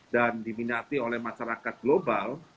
dan diminati oleh masyarakat global